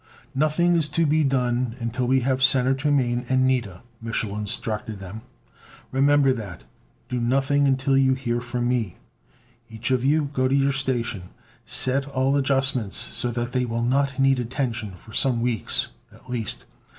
"Nothing is to be done until we have Senator Mane and Nida," Mich'l instructed them. "Remember that! Do nothing until you hear from me. Each of you go to your station. Set all adjustments so that they will not need attention for some weeks, at least.